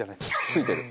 ついてる！